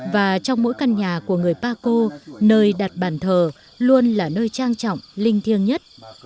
và trong mỗi căn nhà của người paco nơi đặt bàn thờ luôn là nơi trang trọng linh thiêng nhất